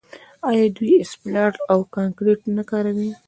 آیا دوی اسفالټ او کانکریټ نه کاروي؟